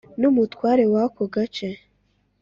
n’umutware wako gace